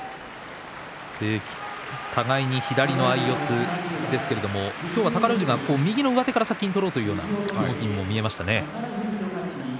互いに左の相四つですけれども今日は宝富士が右の上手から先に取ろうというふうにも見えましたね。